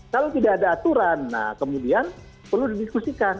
kalau tidak ada aturan nah kemudian perlu didiskusikan